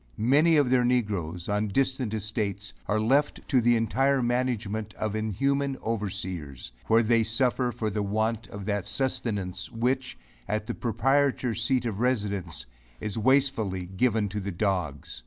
Many of their negroes, on distant estates, are left to the entire management of inhuman overseers, where they suffer for the want of that sustenance, which, at the proprietors seat of residence, is wastefully given to the dogs.